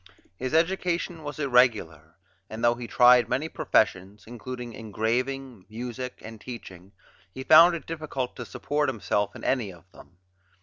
His education was irregular, and though he tried many professions including engraving, music, and teaching he found it difficult to support himself in any of them.